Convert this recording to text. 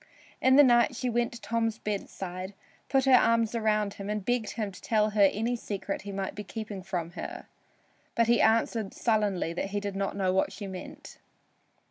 In the night she went to Tom's bedside, put her arms around him and begged him to tell her any secret he might be keeping from her. But he answered sullenly that he did not know what she meant.